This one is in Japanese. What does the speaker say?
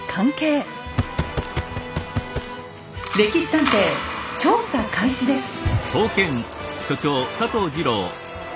「歴史探偵」調査開始です。